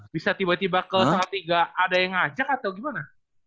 bisa tiba tiba ke salatiga ada yang ngajak atau gimana